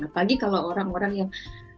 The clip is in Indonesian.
apalagi kalau orang orang yang